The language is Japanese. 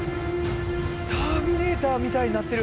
「ターミネーター」みたいになってる。